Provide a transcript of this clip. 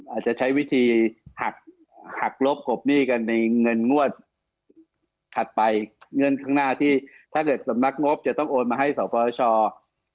อาจจะใช้วิธีหักหักลบกบหนี้กันในเงินงวดถัดไปเงินข้างหน้าที่ถ้าเกิดสำนักงบจะต้องโอนมาให้สปช